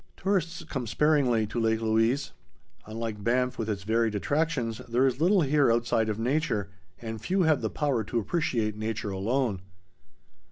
Tourists come sparingly to Lake Louise. Unlike Banff with its varied attractions, there is little here outside of nature, and few have the power to appreciate nature alone.